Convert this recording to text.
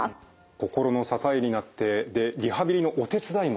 心の支えになってでリハビリのお手伝いもしてくれると。